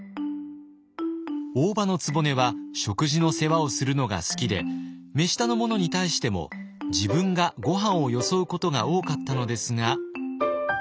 大姥局は食事の世話をするのが好きで目下の者に対しても自分がごはんをよそうことが多かったのですが。